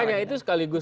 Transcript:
makanya itu sekaligus